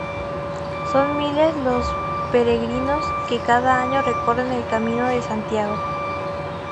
Son miles los peregrinos que cada año recorren el Camino de Santiago.